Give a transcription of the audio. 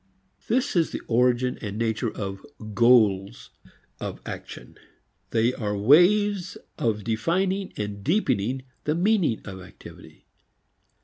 This is the origin and nature of "goals" of action. They are ways of defining and deepening the meaning of activity.